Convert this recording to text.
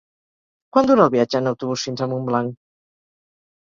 Quant dura el viatge en autobús fins a Montblanc?